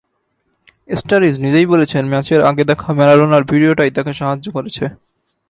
স্টারিজ নিজেই বলেছেন, ম্যাচের আগে দেখা ম্যারাডোনার ভিডিওটাই তাঁকে সাহায্য করেছে।